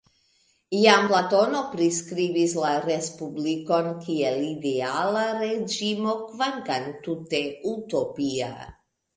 Jam Platono priskribis la respublikon kiel ideala reĝimo, kvankam tute utopia.